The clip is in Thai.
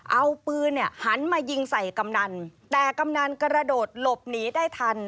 เอาปืนเนี่ยหันมายิงใส่กำนันแต่กำนันกระโดดหลบหนีได้ทัน